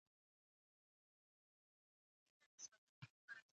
الخلیل د کلونو راهیسې د تاوتریخوالي شاهد دی.